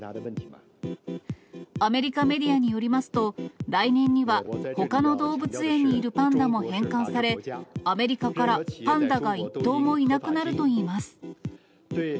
アメリカメディアによりますと、来年にはほかの動物園にいるパンダも返還され、アメリカからパンダが１頭もいなくなるといいます。